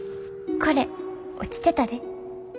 これ落ちてたで。